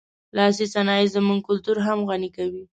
لاسي صنایع زموږ کلتور هم غني کوي.